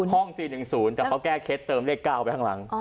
ห้อง๔๑๐แต่เขาแก้เคล็ดเติมเลข๙ไปข้างหลัง